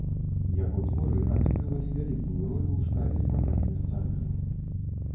Яго творы адыгрывалі вялікую ролю ў справе змагання з царызмам.